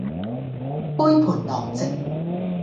杯盤狼藉